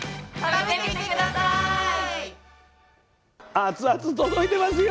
熱々届いてますよ！